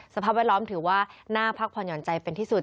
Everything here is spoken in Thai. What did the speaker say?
สภาพแวดล้อมถือว่าน่าพักผ่อนหย่อนใจเป็นที่สุด